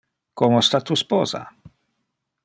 Como sta tu sposa?